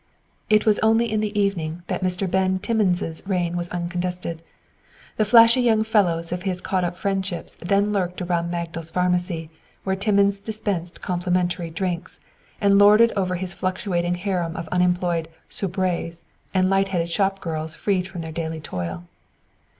It was only in the evening that Mr. Ben Timmins' reign was uncontested. The flashy young fellows of his caught up friendships then lurked around Magdal's Pharmacy where Timmins dispensed complimentary drinks and lorded over his fluctuating harem of unemployed "soubrettes" and light headed shop girls freed from their daily toil.